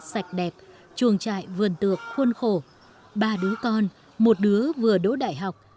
sạch đẹp chuồng trại vườn tược khuôn khổ ba đứa con một đứa vừa đỗ đại học